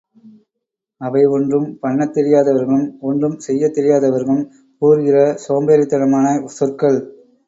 அவை ஒன்றும் பண்ணத் தெரியாதவர்களும், ஒன்றும் செய்யத் தெரியாதவர்களும் கூறுகிற சோம்பேறித்தனமான சொற்கள்.